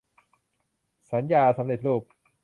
สัญญาสำเร็จรูป